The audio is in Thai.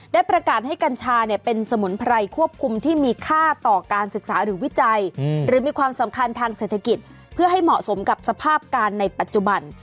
ได้ประกาศให้กัญชาเป็นสมุนไพรควบคุมที่มีค่าต่อการศึกษาหรือวิจัยหรือมีความสำคัญทางเศรษฐกิจเพื่อให้เหมาะสมกับสภาพการในปัจจุบัน